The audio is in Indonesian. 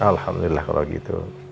alhamdulillah kalau gitu